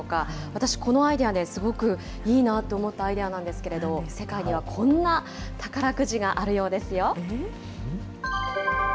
私、このアイデアね、すごくいいなと思ったアイデアなんですけれど、世界にはこんな宝くじがあるようですよ。